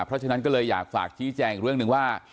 เพราะฉะนั้นก็เลยอยากฝากชี้แจงอีกเรื่องหนึ่งว่า